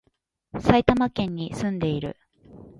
埼玉県に住んでいる